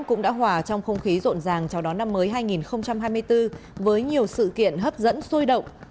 không khí rộn ràng chào đón năm mới hai nghìn hai mươi bốn với nhiều sự kiện hấp dẫn xôi động